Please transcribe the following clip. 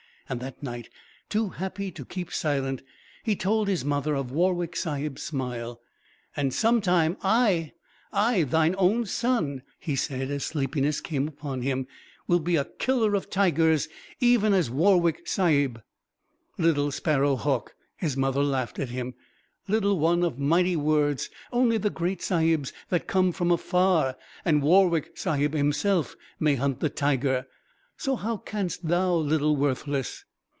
And that night, too happy to keep silent, he told his mother of Warwick Sahib's smile. "And some time I I, thine own son," he said as sleepiness came upon him, "will be a killer of tigers, even as Warwick Sahib." "Little sparrow hawk," his mother laughed at him. "Little one of mighty words, only the great sahibs that come from afar, and Warwick Sahib himself, may hunt the tiger, so how canst thou, little worthless?"